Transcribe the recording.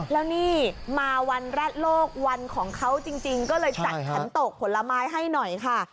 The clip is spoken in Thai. แล้วนี่มาวันแรกโลกวันของเขาจริงก็เลยจัดขันตกผลไม้ให้หน่อยค่ะ